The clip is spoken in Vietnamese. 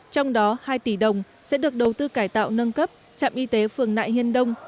trong đó hai tỷ đồng sẽ được đầu tư cải tạo nâng cấp trạm y tế phường nại hiên đông